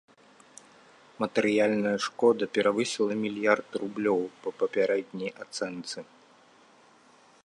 Матэрыяльная шкода перавысіла мільярд рублёў па папярэдняй ацэнцы.